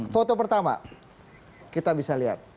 foto pertama kita bisa lihat